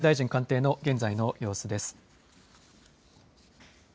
総理大臣官邸の現在の様子です。